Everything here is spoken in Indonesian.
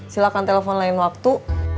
silahkan telepon lain waktu